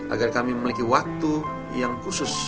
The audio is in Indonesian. agar kami memiliki waktu yang khusus